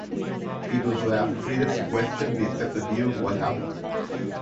People should have the freedom to question the accepted view of what happened.